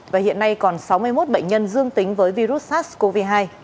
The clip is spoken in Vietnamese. và hiện nay còn sáu mươi một bệnh nhân dương tính với virus sars cov hai